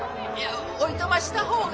おいとました方が。